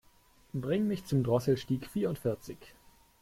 Bring mich zum Drosselstieg vierundvierzig.